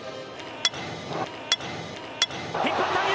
引っ張った！